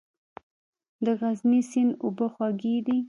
د غزني سیند اوبه خوږې دي